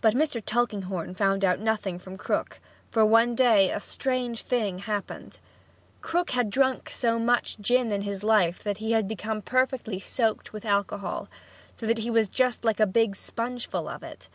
But Mr. Tulkinghorn found out nothing from Krook, for one day a strange thing happened. Krook had drunk so much gin in his life that he had become perfectly soaked with alcohol, so that he was just like a big spongeful of it.